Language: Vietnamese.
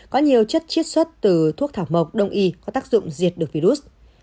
có nhiều chất chiết xuất từ thuốc thảo mộc đông y có tác dụng diệt được virus